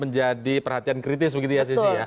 menjadi perhatian kritis begitu ya sisi ya